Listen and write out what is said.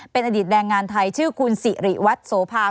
เป็นอดีตแรงงานไทยชื่อคุณสิริวัตรโสภา